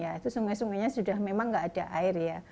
ya itu sungai sungainya sudah memang nggak ada air ya